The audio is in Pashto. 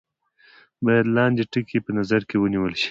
باید لاندې ټکي په نظر کې ونیول شي.